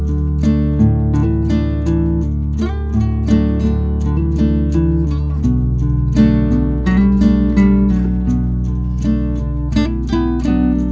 udah ada apaan sih